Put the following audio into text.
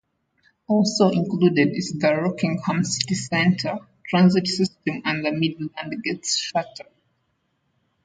Also included is the Rockingham City Centre Transit System and the Midland Gate Shuttle.